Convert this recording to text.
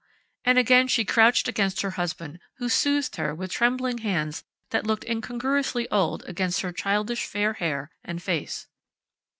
and again she crouched against her husband, who soothed her with trembling hands that looked incongruously old against her childish fair hair and face.